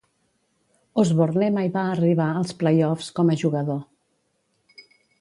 Osborne mai va arribar als "playoffs" com a jugador.